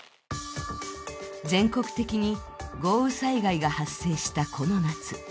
全国的に豪雨災害が発生したこの夏。